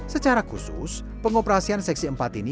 secara khusus pengoperasian seksi empat ini